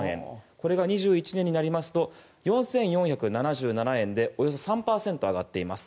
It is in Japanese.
これが２１年になりますと４４７７円でおよそ３％上がっています。